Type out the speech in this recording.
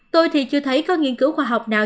tôi thì chưa thấy có nghiên cứu khoa học nào